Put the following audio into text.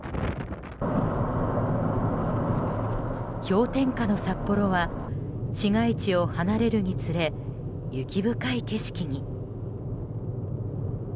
氷点下の札幌は市街地を離れるにつれ雪深い景色に。